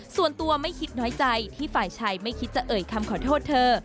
ส่วนตัวไม่คิดน้อยใจที่ฝ่ายชายไม่คิดจะเอ่ยคำขอโทษเธอ